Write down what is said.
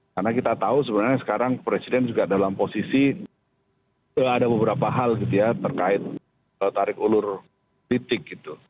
karena kita tahu sebenarnya sekarang presiden juga dalam posisi ada beberapa hal gitu ya terkait tarik ulur politik gitu